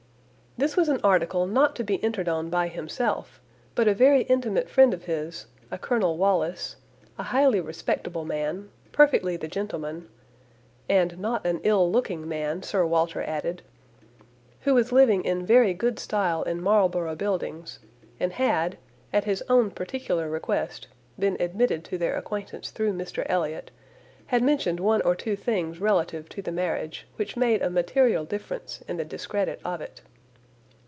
This was an article not to be entered on by himself; but a very intimate friend of his, a Colonel Wallis, a highly respectable man, perfectly the gentleman, (and not an ill looking man, Sir Walter added), who was living in very good style in Marlborough Buildings, and had, at his own particular request, been admitted to their acquaintance through Mr Elliot, had mentioned one or two things relative to the marriage, which made a material difference in the discredit of it.